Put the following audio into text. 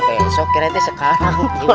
besok kira kira sekarang